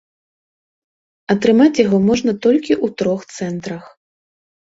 Атрымаць яго можна толькі ў трох цэнтрах.